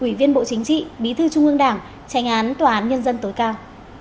ủy viên bộ chính trị bí thư trung ương đảng tranh án tòa án nhân dân tối cao